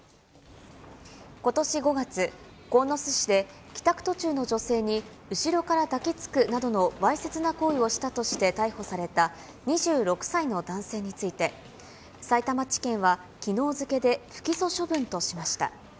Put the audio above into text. ことし５月、鴻巣市で帰宅途中の女性に後ろから抱きつくなどのわいせつな行為をしたとして逮捕された２６歳の男性について、さいたま地検はきのう付けで不起訴処分としました。